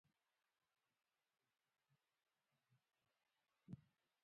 مچلغو سيمه د احمداباد ولسوالی مربوطه منطقه ده